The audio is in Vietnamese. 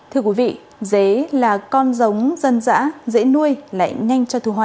thưa quý vị dế là con giống dân dã dễ nuôi lại nhanh cho thu hoạch